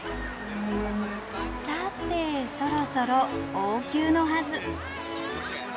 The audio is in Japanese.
さてそろそろ王宮のはず。